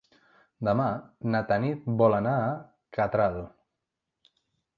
Demà na Tanit vol anar a Catral.